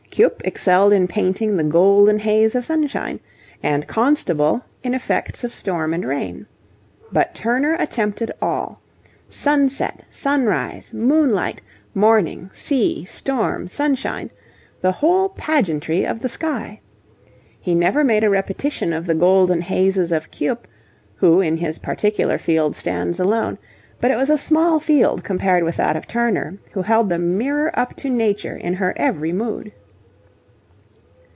Cuyp excelled in painting the golden haze of sunshine, and Constable in effects of storm and rain. But Turner attempted all. Sunset, sunrise, moonlight, morning, sea, storm, sunshine: the whole pageantry of the sky. He never made a repetition of the golden hazes of Cuyp, who in his particular field stands alone; but it was a small field compared with that of Turner, who held the mirror up to Nature in her every mood.